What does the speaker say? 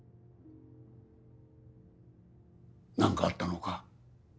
なんかあったのか？